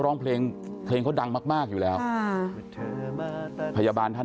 ให้ทุกคนเห็นสุดใจให้แรงไว้ด้วยนะครับ